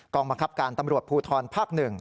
กองบังคับการตำรวจภูทรภักดิ์หนึ่ง